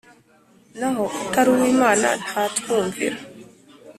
naho utari uw'Imana ntatwumvira.